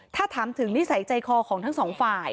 ถ้าถามถึงนิสัยใจคอของทั้งสองฝ่าย